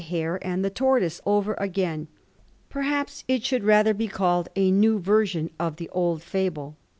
n. hare and the tortoiBe over again ; perhaps it shonld rather be called a new version of the old fable.